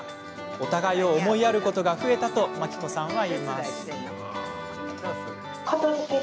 お互いを思いやることが増えたと真希子さんは言います。